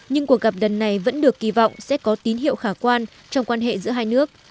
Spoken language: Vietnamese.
nhưng cuộc gặp lần này vẫn được kỳ vọng sẽ có tín hiệu khả quan trong quan hệ giữa hai nước